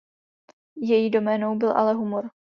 Její doménou byl ale humor.